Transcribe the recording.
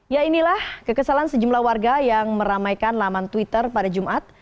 ya inilah kekesalan sejumlah warga yang meramaikan laman twitter pada jumat